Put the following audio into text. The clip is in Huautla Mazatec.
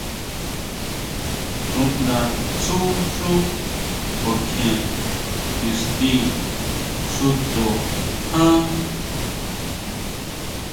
Xúʼndatsú xú kuakjien ixti xúto ján.